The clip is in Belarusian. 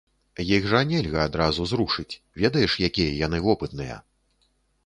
Іх жа нельга адразу зрушыць, ведаеш якія яны вопытныя?